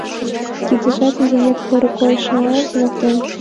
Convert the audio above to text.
Тидыжат изинек поро койышлан туныктен.